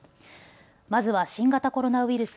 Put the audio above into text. まずは新型コロナウイルス。